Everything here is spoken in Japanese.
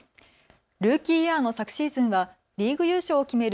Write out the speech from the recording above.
ルーキーイヤーの昨シーズンはリーグ優勝を決める